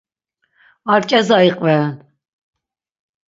Ar ǩeza iqveren.